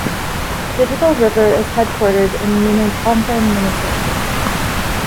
Digital River is headquartered in Minnetonka, Minnesota.